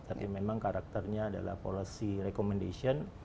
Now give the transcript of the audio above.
tapi memang karakternya adalah policy recommendation